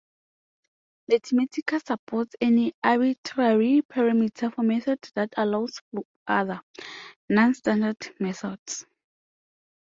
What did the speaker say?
Mathematica supports an arbitrary parameter for methods that allows for other, non-standard, methods.